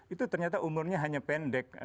itu ternyata umurnya hanya pendek